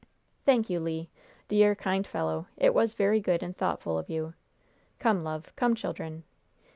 "Thank you, Le. Dear, kind fellow! It was very good and thoughtful of you. Come, love. Come, children.